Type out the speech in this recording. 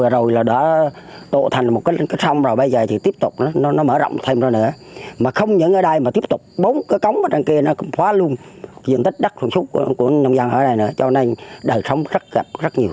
rác rưỡi bồi đắp